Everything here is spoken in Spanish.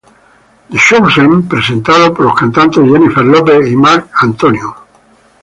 The Chosen", presentado por los cantantes Jennifer López y Marc Anthony.